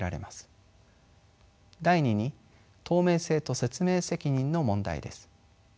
第２に透明性と説明責任の問題です。